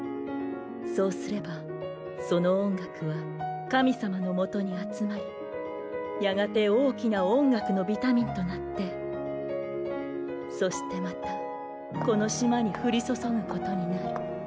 そうすればその音楽は神様のもとに集まりやがて大きな音楽のビタミンとなってそしてまたこの島に降り注ぐことになる。